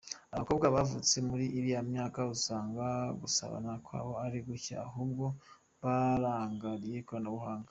Abakobwa bavutse muri iriya myaka usanga gusabana kwabo ari gucye ahubwo barangariye ikoranabuhanga.